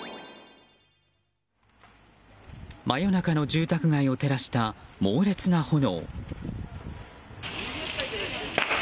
真夜中の住宅街を照らした猛烈な炎。